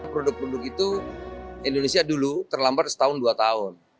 produk produk itu indonesia dulu terlambat setahun dua tahun